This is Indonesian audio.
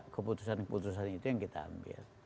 keputusan keputusan itu yang kita ambil